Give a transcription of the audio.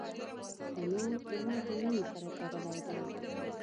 تنور د مور د مینې سره تړلی دی